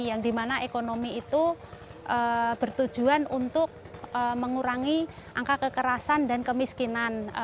yang dimana ekonomi itu bertujuan untuk mengurangi angka kekerasan dan kemiskinan